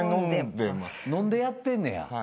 飲んでやってんねや。